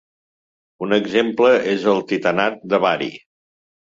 Un exemple és el titanat de bari.